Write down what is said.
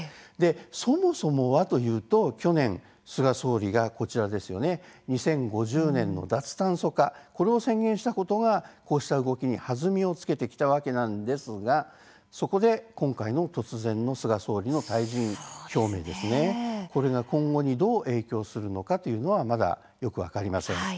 そもそもは去年、菅総理が２０５０年脱炭素化を宣言したことがこうした動きに弾みをつけてきたわけなんですがそこで今回の突然の菅総理の退陣表明これが今後にどう影響するかはまだ分かりません。